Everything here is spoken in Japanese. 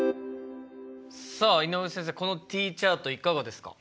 さあ井上先生このＴチャートいかがですか？